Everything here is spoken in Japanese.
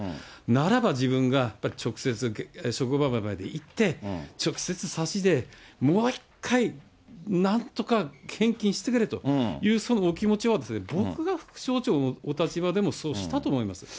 ならば自分が、やっぱり直接、職場まで行って、直接さしで、もう１回、なんとか返金してくれという、そのお気持ちを、僕が副町長のお立場でもそうしたと思いますよ。